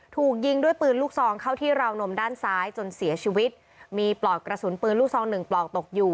ถูกยิงด้วยปืนลูกซองเข้าที่ราวนมด้านซ้ายจนเสียชีวิตมีปลอกกระสุนปืนลูกซองหนึ่งปลอกตกอยู่